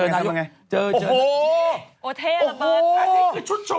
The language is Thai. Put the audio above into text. จากธนาคารกรุงเทพฯ